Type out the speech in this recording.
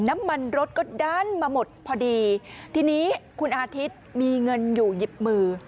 น้ำมันรถก็ดันมาหมดพอดีทีนี้คุณอาทิตย์มีเงินอยู่หยิบมือ